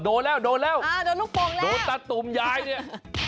โดนแล้วโดนแล้วอ่าโดนลูกโป่งแล้วโดนตาตุ่มยายเนี่ย